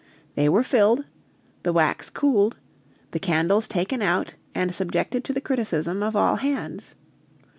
They were filled; the wax cooled; the candles taken out and subjected to the criticism of all hands.